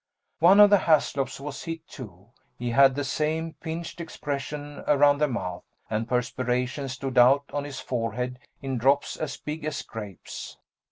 One of the Haslops was hit, too he had the same pinched expression around the mouth, and perspiration stood out on his forehead in drops as big as grapes.